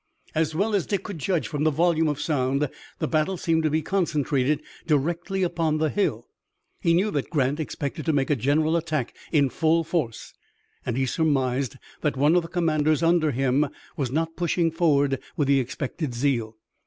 As well as Dick could judge from the volume of sound the battle seemed to be concentrated directly upon the hill. He knew that Grant expected to make a general attack in full force, and he surmised that one of the commanders under him was not pushing forward with the expected zeal.